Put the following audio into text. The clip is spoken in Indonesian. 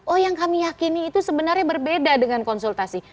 oh yang kami yakini itu sebenarnya berbeda dengan konsultasi